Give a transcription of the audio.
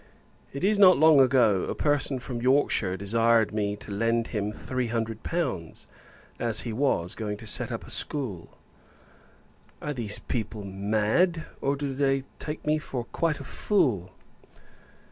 It is not long ago, a person from Yorkshire desired me to lend him three hundred pounds, as he was going to set up a school! Are these people mad; or, do they take me for quite a fool?